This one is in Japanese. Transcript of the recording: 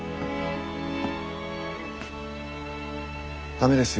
駄目ですよ